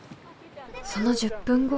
その１０分後。